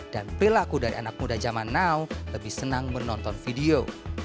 dan perilaku dari anak muda zaman now lebih senang menonton video